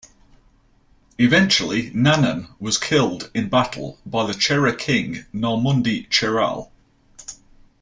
Eventually, "Nannan" was killed in battle by the Chera king, "Narmudi Cheral".